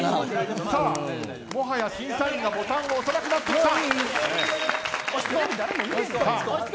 もはや審査員がボタンを押さなくなってきた。